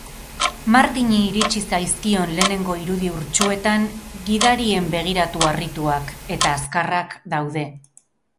Martini iritsi zaizkion lehenengo irudi urtsuetan gidarien begiratu harrituak eta azkarrak daude.